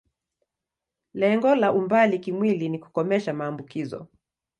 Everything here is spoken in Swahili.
Lengo la umbali kimwili ni kukomesha maambukizo.